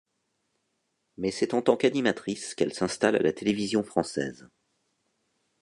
Mais c'est en tant qu'animatrice qu'elle s'installe à la télévision française.